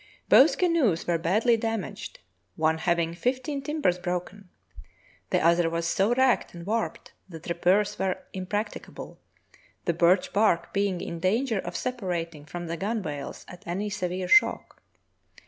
Both canoes were badl}' damaged, one having fifteen timbers broken. The other was so racked and warped that repairs were impracticable, the birch bark being in danger of sepa rating from the gunwales at any severe shock.